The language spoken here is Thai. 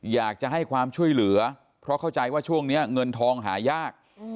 อยากจะให้ความช่วยเหลือเพราะเข้าใจว่าช่วงนี้เงินทองหายาก